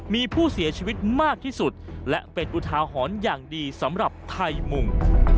มีผู้เสียชีวิตมากที่สุดและเป็นอุทาหรณ์อย่างดีสำหรับไทยมุง